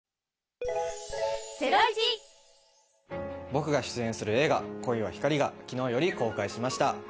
僕が出演する映画『恋は光』が昨日より公開しました。